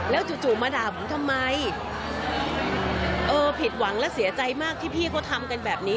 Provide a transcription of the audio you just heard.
จู่จู่มาด่าผมทำไมเออผิดหวังและเสียใจมากที่พี่เขาทำกันแบบนี้